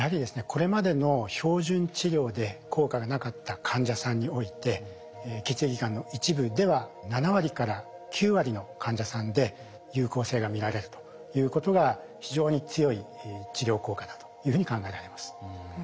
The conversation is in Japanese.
これまでの標準治療で効果がなかった患者さんにおいて血液がんの一部では７割から９割の患者さんで有効性が見られるということが非常に強い治療効果だというふうに考えられます。